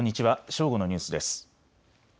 正午のニュースです。